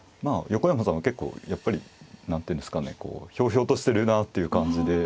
横山さんは結構やっぱり何ていうんですかねこうひょうひょうとしてるなっていう感じで。